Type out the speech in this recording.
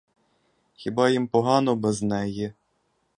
Хіба їм погано без неї?